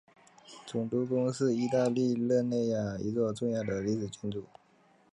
总督宫是意大利热那亚一座重要的历史建筑。